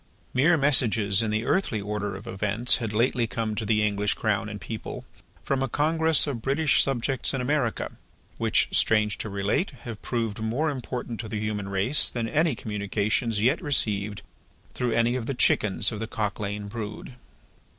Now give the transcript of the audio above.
Mere messages in the earthly order of events had lately come to the English Crown and People, from a congress of British subjects in America: which, strange to relate, have proved more important to the human race than any communications yet received through any of the chickens of the Cock lane brood.